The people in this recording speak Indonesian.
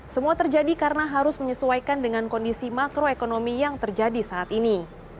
semua terjadi karena harus menyesuaikan dengan kondisi makroekonomi yang terjadi saat ini